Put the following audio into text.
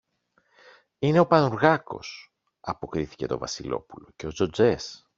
Είναι ο Πανουργάκος, αποκρίθηκε το Βασιλόπουλο, και ο Τζοτζές.